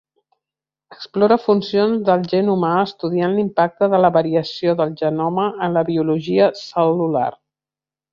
Explora funcions del gen humà estudiant l'impacte de la variació del genoma en la biologia cel·lular.